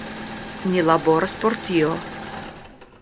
Ni laboras por tio.